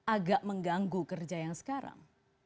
agak mengganggu kerja yang sekarang